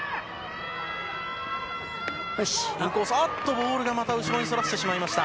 ボールをまた後ろにそらしてしまいました。